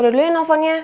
udah dulu ya telponnya